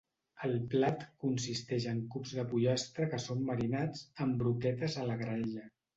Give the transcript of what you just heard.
El plat consisteix en cubs de pollastre que són marinats, en broquetes a la graella.